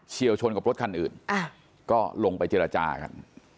เชี่ยวชนกับรถคันอื่นก็ลงไปเจรจากัน